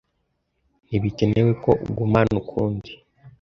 Ntibikenewe ko uguma hano ukundi.